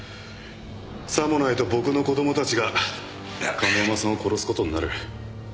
さもないと僕の子供たちが亀山さんを殺す事になる。